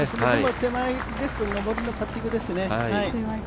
手前ですとのぼりのパッティングですね。